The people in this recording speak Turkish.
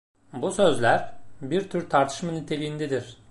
Bu sözler, bir tür tartışma niteliğindedir.